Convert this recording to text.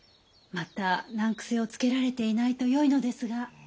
また難癖をつけられていないとよいのですが。